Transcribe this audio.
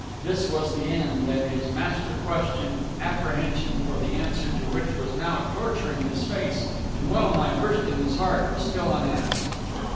This was the end, and his master question, apprehension for the answer to which was now torturing his face and well nigh bursting his heart, was still unasked.